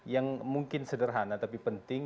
yang mungkin sederhana tapi penting